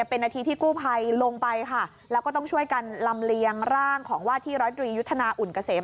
เป็นนาทีที่กู้ภัยลงไปค่ะแล้วก็ต้องช่วยกันลำเลียงร่างของว่าที่ร้อยตรียุทธนาอุ่นเกษม